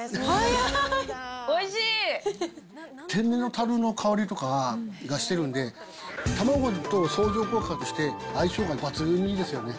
天然のたるの香りとかがしてるんで、卵との相乗効果として、相性が抜群にいいですよね。